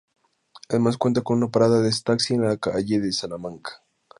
Además cuenta con una parada de taxi en la calle de Salamanca.